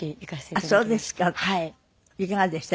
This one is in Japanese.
いかがでした？